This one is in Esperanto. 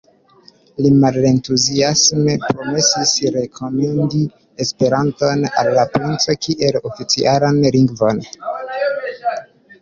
Li malentuziasme promesis rekomendi Esperanton al la princo kiel oficialan lingvon.